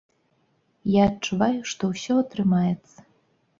Я адчуваю, што ўсё атрымаецца.